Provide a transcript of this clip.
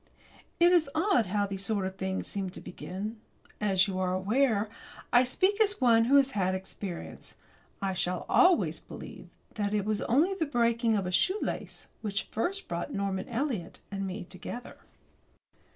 It is odd how these sort of things sometimes do begin. As you are aware, I speak as one who has had experience. I shall always believe that it was only the breaking of a shoelace which first brought Norman Eliot and me together.